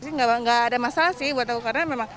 sih nggak ada masalah sih buat aku karena memang